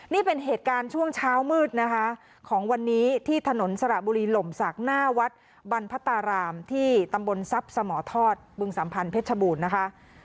นี่เป็นเหตุการณ์ช่วงเช้ามืดนะคะของวันนี้ที่ถนนสระบุรีหล่มศักดิ์หน้าวัดบรรพตารามที่ตำบลทรัพย์สมทอดบึงสัมพันธ์เพชรบูรณ์นะคะ